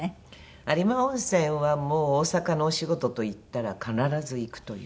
有馬温泉はもう大阪のお仕事といったら必ず行くという。